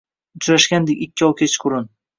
Uchrashgandik ikkov kechqurun.